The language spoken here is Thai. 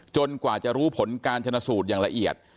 กว่าจะรู้ผลการชนะสูตรอย่างละเอียด